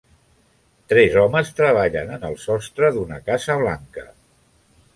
Tres homes treballen en el sostre d'una casa blanca